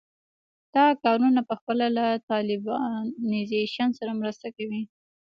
دا کارونه پخپله له طالبانیزېشن سره مرسته کوي.